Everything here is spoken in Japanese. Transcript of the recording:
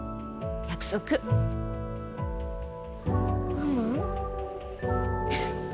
ママ？